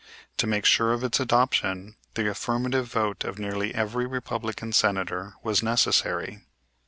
To make sure of its adoption the affirmative vote of nearly every Republican Senator was necessary.